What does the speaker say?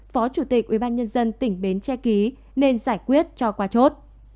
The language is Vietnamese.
phó chủ tịch ubnd tỉnh bến tre ký nên giải quyết cho qua chốt